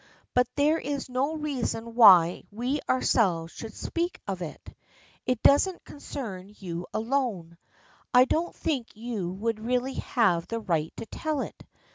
But there is no reason why we ourselves should speak of it. It doesn't concern you alone. I don't think you would really have the right to tell it.